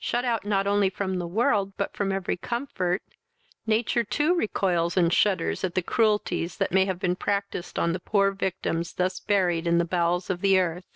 Shut out not only from the world, but from every comfort, nature too recoils and shudders at the cruelties that may have been practised on the poor victims thus buried in the bowels of the earth."